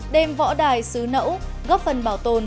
đềm võ đài xứ nẫu góp phần bảo tồn